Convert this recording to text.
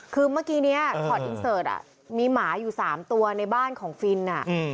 คือเมื่อกี้นี้ช็อตอินเสิร์ตมีหมาอยู่๓ตัวในบ้านของฟิน